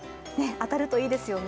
当たるといいですよね。